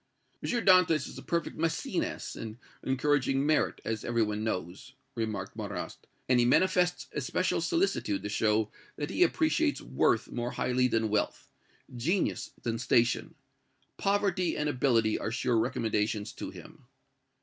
"M. Dantès is a perfect Mæcenas in encouraging merit, as every one knows," remarked Marrast; "and he manifests especial solicitude to show that he appreciates worth more highly than wealth genius than station. Poverty and ability are sure recommendations to him."